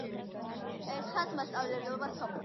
ერთხანს მასწავლებლობდა სოფლად.